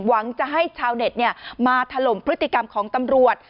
หวังจะให้ชาวเน็ตมาถล่มพฤติกรรมของตำรวจ